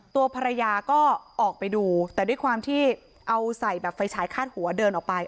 ตัวภรรยาก็ออกไปดูแต่ด้วยความที่เอาใส่แบบไฟฉายคาดหัวเดินออกไป